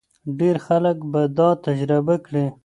ډېر خلک به دا تجربه کړي.